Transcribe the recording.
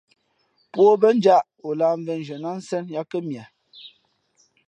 Pō ǒ mbά njāʼ, ǒ lāh mvēnzhiē nά ā nsen yā kά mie.